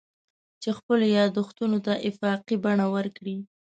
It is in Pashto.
چې خپلو یادښتونو ته افاقي بڼه ورکړي.